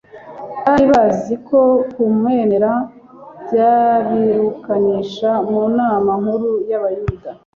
Bari bazi ko kumwemera byabirukanisha mu nama nkuru y'abayuda,